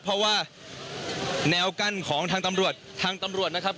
เพราะว่าแนวกั้นของทางตำรวจทางตำรวจนะครับ